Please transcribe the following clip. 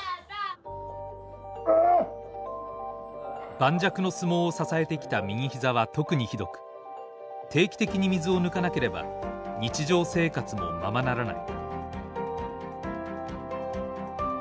盤石の相撲を支えてきた右膝は特にひどく定期的に水を抜かなければ日常生活もままならない。